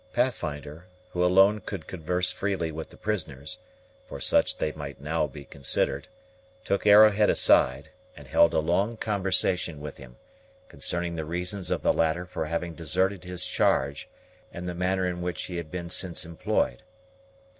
Pathfinder, who alone could converse freely with the prisoners, for such they might now be considered, took Arrowhead aside, and held a long conversation with him, concerning the reasons of the latter for having deserted his charge and the manner in which he had been since employed.